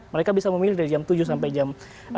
mereka bisa memilih dari jam tujuh sampai jam